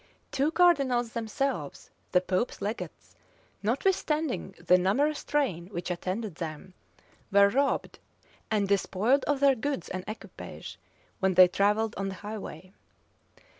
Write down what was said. Two cardinals themselves, the pope's legates, notwithstanding the numerous train which attended them, were robbed and despoiled of their goods and equipage, when they travelled on the highway.